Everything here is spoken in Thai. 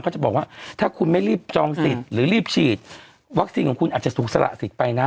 จะบอกว่าถ้าคุณไม่รีบจองสิทธิ์หรือรีบฉีดวัคซีนของคุณอาจจะถูกสละสิทธิ์ไปนะ